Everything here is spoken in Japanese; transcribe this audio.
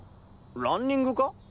ランニングか？